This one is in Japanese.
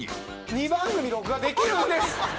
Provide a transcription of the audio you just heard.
２番組録画できるんです！